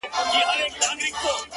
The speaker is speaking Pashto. لكه د دوو جنگ.!